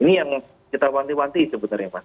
ini yang kita wanti wanti sebenarnya mas